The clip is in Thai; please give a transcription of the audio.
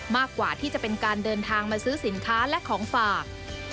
มากกว่าที่จะเป็นการเดินทางมาซื้อสินค้าและของฝาก